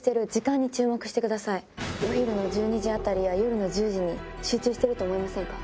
お昼の１２時あたりや夜の１０時に集中してると思いませんか？